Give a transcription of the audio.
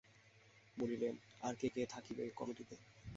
বলিলেন, আর কে কে থাকিবে কমিটিতে?